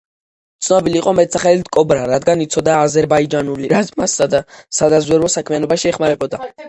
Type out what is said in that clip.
ცნობილი იყო მეტსახელით „კობრა“, რადგან იცოდა აზერბაიჯანული, რაც მას სადაზვერვო საქმიანობაში ეხმარებოდა.